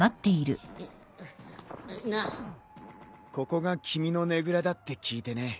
ここが君のねぐらだって聞いてね。